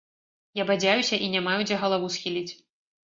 Я бадзяюся і не маю дзе галаву схіліць.